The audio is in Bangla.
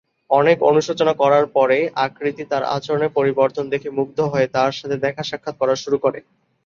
অনেক অনুশোচনা করার পরে, আকৃতি তার আচরণের পরিবর্তন দেখে মুগ্ধ হয়ে তার সাথে দেখা-সাক্ষাৎ করা শুরু করে।